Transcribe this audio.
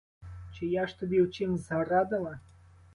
Чи я ж тобі у чім зрадила?